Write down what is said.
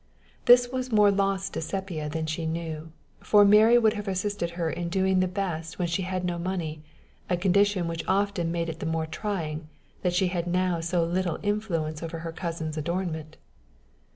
This was more loss to Sepia than she knew, for Mary would have assisted her in doing the best when she had no money, a condition which often made it the more trying that she had now so little influence over her cousin's adornment.